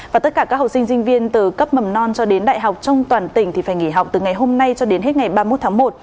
và tất cả các học sinh sinh viên từ cấp mầm non cho đến đại học trong toàn tỉnh thì phải nghỉ học từ ngày hôm nay cho đến hết ngày ba mươi một tháng một